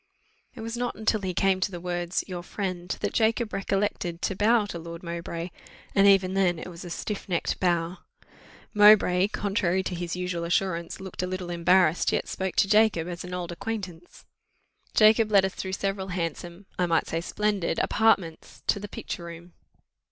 It was not till he came to the words your friend, that Jacob recollected to bow to Lord Mowbray, and even then it was a stiff necked bow. Mowbray, contrary to his usual assurance, looked a little embarrassed, yet spoke to Jacob as to an old acquaintance. Jacob led us through several handsome, I might say splendid, apartments, to the picture room.